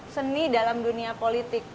seni dalam dunia politik